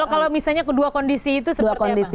kalau misalnya dua kondisi itu